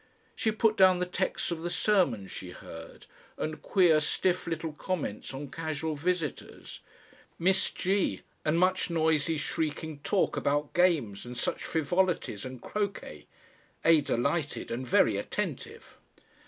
She put down the texts of the sermons she heard, and queer stiff little comments on casual visitors, "Miss G. and much noisy shrieking talk about games and such frivolities and CROQUAY. A. delighted and VERY ATTENTIVE."